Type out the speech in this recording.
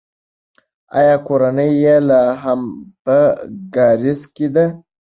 آیا کورنۍ یې لا هم په کارېز کې ده؟